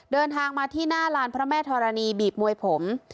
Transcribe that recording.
เดินทางมาที่หน้าลานพระแม่ธรณีบีบมวยผม